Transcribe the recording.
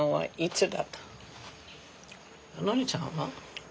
ノリちゃんは？